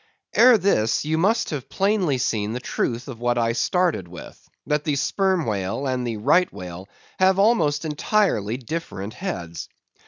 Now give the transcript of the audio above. Ere this, you must have plainly seen the truth of what I started with—that the Sperm Whale and the Right Whale have almost entirely different heads.